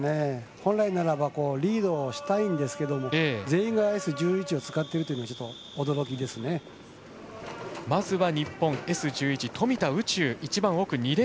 本来ならばリードしたいんですけど全員がＳ１１を使ってるというのがまずは日本Ｓ１１、富田宇宙。